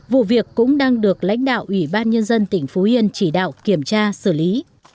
vụ việc cũng đang được lãnh đạo ủy ban nhân dân tỉnh phú yên chỉ đạo kiểm tra xử lý